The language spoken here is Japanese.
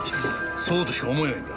そうとしか思えないんだ。